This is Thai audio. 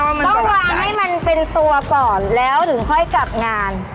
ต้องวางให้มันเป็นตัวก่อนแล้วถึงค่อยกลับงาน